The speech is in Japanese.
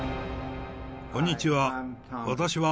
こんにちは。